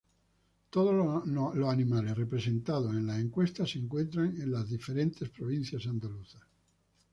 Todos los animales representados en las encuestas se encuentran en las diferentes provincias andaluzas.